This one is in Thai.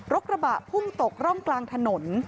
กระบะพุ่งตกร่องกลางถนน